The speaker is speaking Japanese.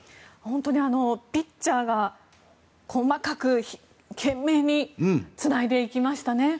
ピッチャーが細かく懸命につないでいきましたね。